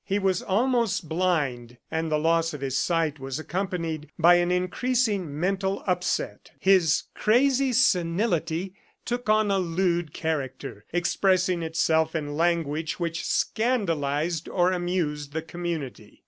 He was almost blind, and the loss of his sight was accompanied by an increasing mental upset. His crazy senility took on a lewd character, expressing itself in language which scandalized or amused the community.